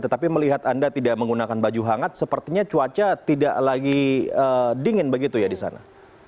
tetapi melihat anda tidak menggunakan baju hangat sepertinya cuaca tidak lagi dingin begitu ya di sana